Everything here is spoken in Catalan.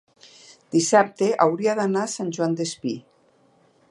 dissabte hauria d'anar a Sant Joan Despí.